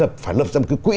phải lập ra một cái quỹ